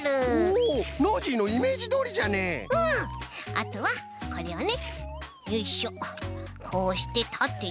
あとはこれをねよいしょこうしてたててとめます。